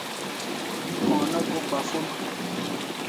Mí kɔ̧ɔ̧ nɛ́ gɔ̧́ gbafón.